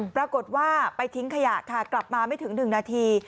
ปรากฏว่าไปทิ้งขยะค่ะกลับมาไม่ถึง๑นาที